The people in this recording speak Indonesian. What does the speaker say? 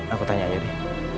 aku tanya aja deh